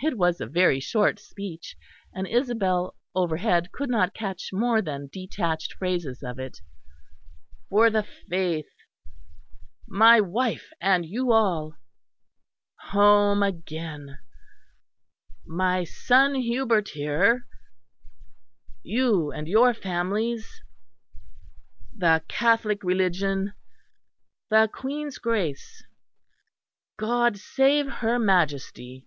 It was a very short speech; and Isabel overhead could not catch more than detached phrases of it, "for the faith" "my wife and you all" "home again" "my son Hubert here" "you and your families" "the Catholic religion" "the Queen's grace" "God save her Majesty."